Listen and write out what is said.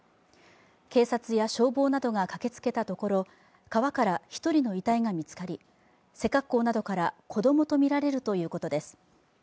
警察や消防などが駆けつけたところ、川から１人の遺体が見つかり背格好などから子供とみられるということです。